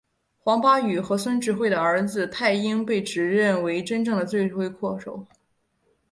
黄巴宇和孙智慧的儿子泰英被指认为真正的罪魁祸首。